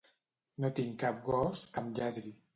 No tinc cap gos que em lladri.